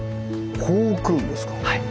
はい。